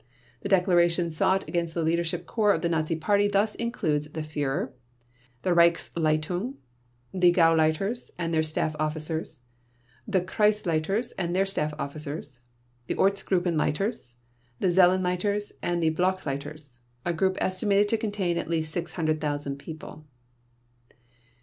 The declaration sought against the Leadership Corps of the Nazi Party thus includes the Führer, the Reichsleitung, the Gauleiters and their staff officers, the Kreisleiters and their staff officers, the Ortsgruppenleiters, the Zellenleiters and the Blockleiters, a group estimated to contain at least 600,000 people.